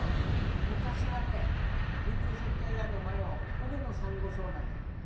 昔はね琉球石灰岩の前は海のサンゴ礁なのよ。